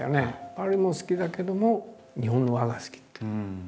パリも好きだけども日本の和が好きっていう。